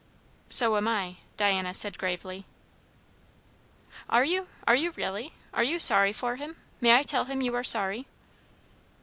"So am I," Diana said gravely. "Are you? Are you really? Are you sorry for him? May I tell him you are sorry?"